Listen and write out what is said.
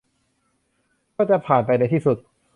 ก็จะผ่านไปในที่สุด